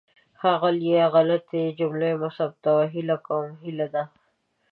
ښاغلیه! غلطې جملې مه ثبتوه. هیله کوم هیله ده.